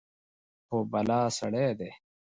خو بلا سړى دى.